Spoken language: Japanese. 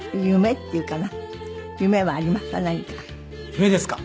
夢ですか？